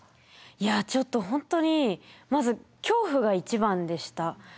いやちょっと本当にまず恐怖が一番でした。